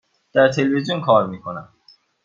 در تلویزیون کار می کنم.